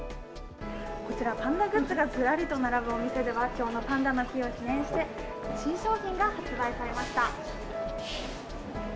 こちら、パンダグッズがずらりと並ぶお店では、きょうのパンダの日を記念して、新商品が発売されました。